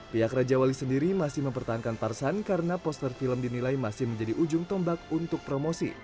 pihak raja wali sendiri masih mempertahankan parsan karena poster film dinilai masih menjadi ujung tombak untuk promosi